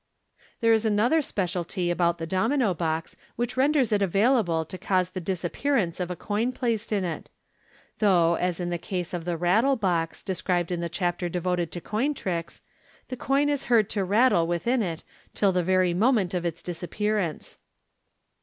There is another speciality about the Domino box, which renders it available to cause the disappearance of a coin placed in it 5 though, as in the case of the " Rattle box," described in the chapter devoted to coin tricks, the coin is heard to rattle within it till the very moment of its disappearance.